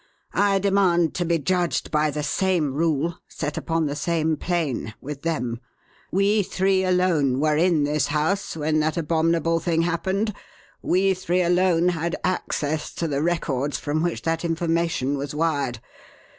"I demand to be judged by the same rule, set upon the same plane with them. We three alone were in this house when that abominable thing happened; we three alone had access to the records from which that information was wired.